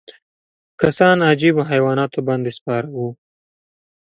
کسان عجیبو حیواناتو باندې سپاره وو.